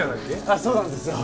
あっそうなんですよ